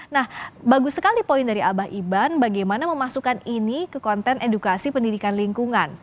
nah bagus sekali poin dari abah iban bagaimana memasukkan ini ke konten edukasi pendidikan lingkungan